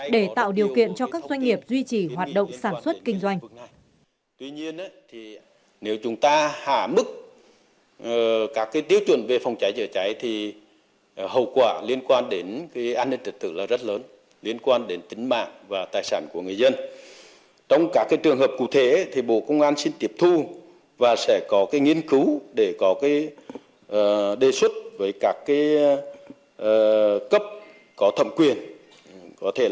để tạo điều kiện cho các doanh nghiệp duy trì hoạt động sản xuất kinh doanh